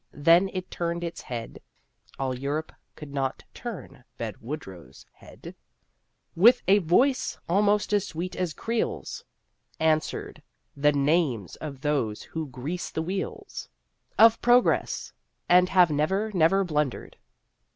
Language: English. Then it turned its head (All Europe could not turn Ben Woodrow's head!) And with a voice almost as sweet as Creel's Answered: "The names of those who grease the wheels Of progress and have never, never blundered."